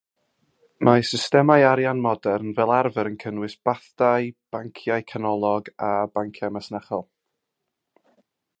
Mae systemau arian modern fel arfer yn cynnwys bathdai, banciau canolog a banciau masnachol.